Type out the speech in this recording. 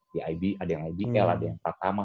di ib ada yang ib kel ada yang pratama